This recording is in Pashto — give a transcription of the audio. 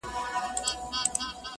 زه چي په هره چهارشنبه يو ځوان لحد ته